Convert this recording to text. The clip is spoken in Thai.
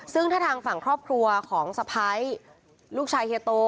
ซึ่งถ้าทางฝั่งครอบครัวของสะพ้ายลูกชายเฮียโต